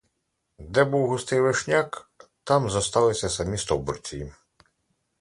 Де був густий вишняк, там зосталися самі стовбурці.